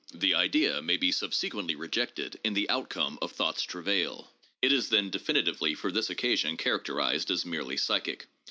The idea may be sub sequently rejected in the outcome of thought's travail— it is then definitively for this occasion characterized as merely psychic.